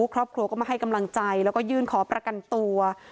ครอบครัวก็มาให้กำลังใจแล้วก็ยื่นขอประกันตัว